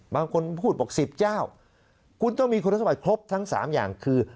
บางคนพูดบอก๑๐เจ้าคุณต้องมีคุณสมบัติครบทั้ง๓อย่างคือ